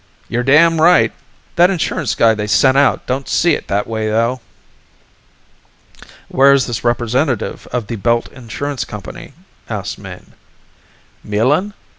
"You're damn' right! That insurance guy they sent out don't see it that way though." "Where is this representative of the Belt Insurance Company?" asked Mayne. "Melin?